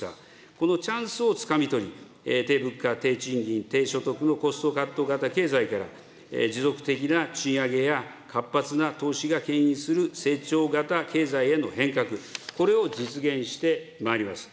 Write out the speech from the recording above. このチャンスをつかみ取り、低物価、低賃金、コストカット型経済から、持続的な賃上げや活発な投資がけん引する成長型経済への変革、これを実現してまいります。